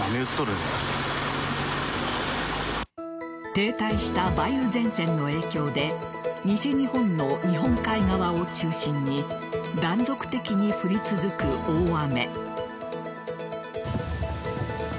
停滞した梅雨前線の影響で西日本の日本海側を中心に断続的に降り続く大雨。